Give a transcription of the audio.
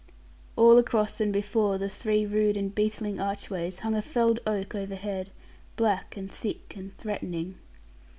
All across and before the three rude and beetling archways hung a felled oak overhead, black, and thick, and threatening.